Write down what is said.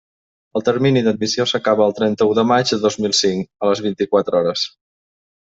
El termini d'admissió s'acaba el trenta-u de maig de dos mil cinc, a les vint-i-quatre hores.